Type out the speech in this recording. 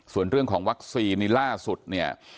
ส่วนเรื่องของวัคซีนนี่ล่าสุดเนี่ย